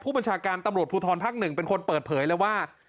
บัญชาการตำรวจภูทรภักดิ์๑เป็นคนเปิดเผยเลยว่า